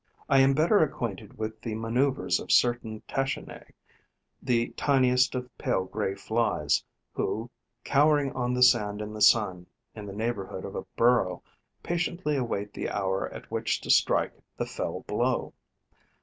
I am better acquainted with the manoeuvres of certain Tachinae, the tiniest of pale grey Flies, who, cowering on the sand in the sun, in the neighbourhood of a burrow, patiently await the hour at which to strike the fell blow.